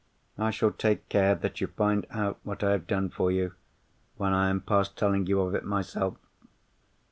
I shall take care that you find out what I have done for you, when I am past telling you of it myself.